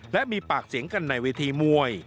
และมีปากเสียงกันในเวทีมวย